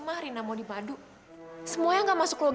makanya jadi anak jangan sok belagu